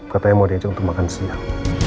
katanya mau diajak untuk makan siang